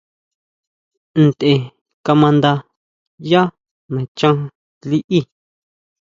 Ntʼe kama nda yá nachan liʼí.